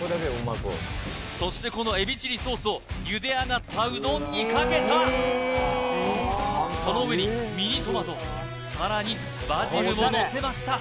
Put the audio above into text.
そしてこのエビチリソースをゆであがったうどんにかけたその上にミニトマトさらにバジルものせました